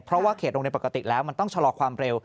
เพราะว่าเขตโรงเรียนปกติแล้วมันต้องชะลอความเร็ว